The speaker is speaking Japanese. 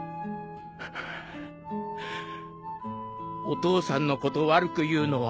お父さんのこと悪く言うのはいけない。